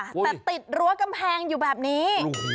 แต่ติดรั้วกำแพงอยู่แบบนี้